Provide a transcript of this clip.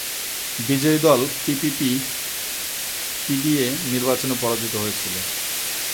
বিদায়ী দল পিপিপি/পিডিএ নির্বাচনে পরাজিত হয়েছিল।